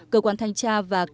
cơ quan thanh tra và kiểm soát